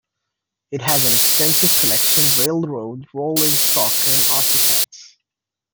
It has an extensive collection railroad rolling stock and artifacts.